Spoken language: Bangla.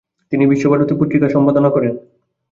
তিনি বিশ্বভারতী পত্রিকার সম্পাদনা করেন।